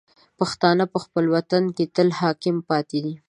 پښتانه په خپل وطن کې تل حاکم پاتې دي.